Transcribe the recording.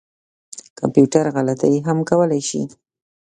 کمپیوټر غلطي هم کولای شي